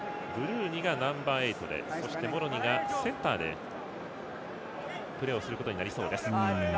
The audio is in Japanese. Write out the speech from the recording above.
ブルーニがナンバーエイトでそしてモロニがセンターでプレーをすることになりそうです。